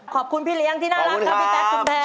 ขอบคุณพี่เลี้ยงที่น่ารักค่ะพี่แต๊กจุดแพง